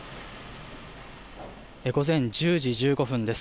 午前１０時１５分です。